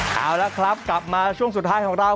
เอาละครับกลับมาช่วงสุดท้ายของเรา